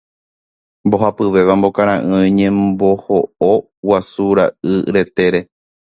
Mbohapyvéva mbokara'ỹi oñemboho'o guasu ra'y retére.